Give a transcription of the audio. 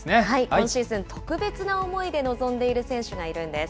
今シーズン、特別な思いで臨んでいる選手がいるんです。